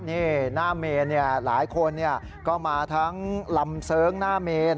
นี่หน้าเมนหลายคนก็มาทั้งลำเสริงหน้าเมน